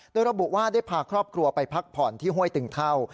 โดยระบุว่าได้พาครอบครัวไปพักผ่อนที่ห้วยตึงเท่า